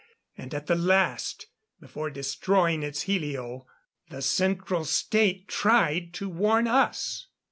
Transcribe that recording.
And at the last, before destroying its helio, the Central State tried to warn us."